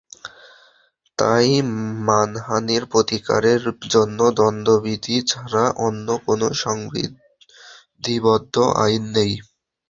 তাই মানহানির প্রতিকারের জন্য দণ্ডবিধি ছাড়া অন্য কোনো সংবিধিবদ্ধ আইন নেই।